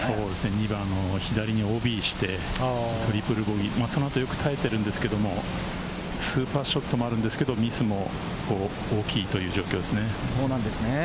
２番は左にＯＢしてトリプルボギー、その後よく耐えてるんですけれどもスーパーショットもあるんですけれども、ミスも大きいという状況ですね。